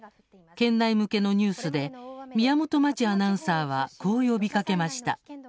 県内向けのニュースで宮本真智アナウンサーはこう呼びかけました。